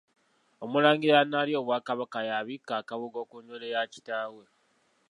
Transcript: Omulangira analya Obwakabaka y’abikka akabugo ku njole ya kitaawe.